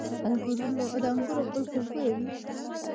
د انګورو ګل خوشبويه وي؟